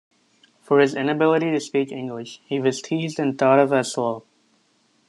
For his inability to speak English, he was teased and thought of as "slow".